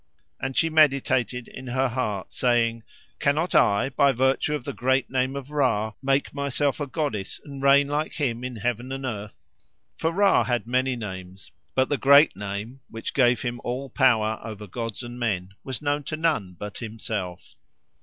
And she meditated in her heart, saying, "Cannot I by virtue of the great name of Ra make myself a goddess and reign like him in heaven and earth?" For Ra had many names, but the great name which gave him all power over gods and men was known to none but himself.